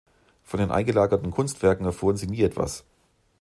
Von den eingelagerten Kunstwerken erfuhren sie nie etwas.